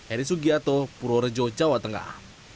erisugiyato purorejo jawa tengah